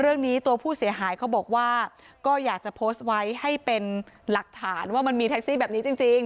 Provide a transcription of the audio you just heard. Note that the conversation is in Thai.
เรื่องนี้ตัวผู้เสียหายเขาบอกว่าก็อยากจะโพสต์ไว้ให้เป็นหลักฐานว่ามันมีแท็กซี่แบบนี้จริง